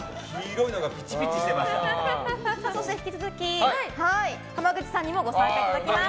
引き続き濱口さんにもご参加いただきます。